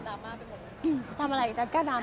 ต้องทำอะไรอีกดายก้าดราม่ง